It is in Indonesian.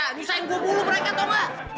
nggak usahain gua bulu mereka tau gak